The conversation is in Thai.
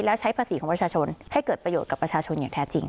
และใช้ภาษีของประชาชนให้เกิดประโยชน์กับประชาชนอย่างแท้จริง